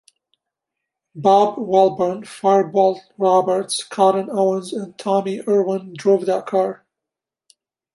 Bob Welborn, Fireball Roberts, Cotton Owens, and Tommy Irwin drove that car.